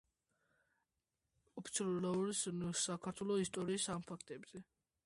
ოფიციალურად ლაოსის ისტორიოგრაფიაში ამ ფაქტის შესახებ საუბარი არაა, თუმცა ლაოსი ფრანგი კოლონიზატორების წყალობით შეიქმნა.